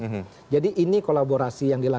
kemudian pada saat penyusunannya kita sudah menyiapkan